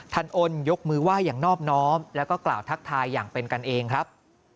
ท่านอ้นยกมือไหว้อย่างนอบน้อมแล้วก็กล่าวทักทายอย่างเป็นกันเองครับ